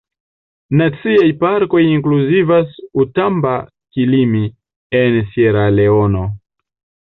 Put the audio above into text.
Naciaj parkoj inkluzivas "Outamba-Kilimi" en Sieraleono.